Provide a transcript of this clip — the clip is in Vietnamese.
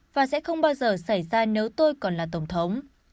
và sẽ không bao giờ xảy ra nếu tôi còn là tổng thống